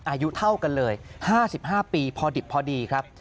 อายุเท่ากันเลย๕๕ปีพอดิบพอดีครับ